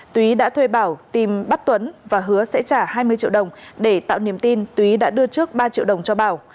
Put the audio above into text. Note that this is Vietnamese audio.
túy đã thuê bảo tìm bắt tuấn và hứa sẽ trả hai mươi triệu đồng để tạo niềm tin tý đã đưa trước ba triệu đồng cho bảo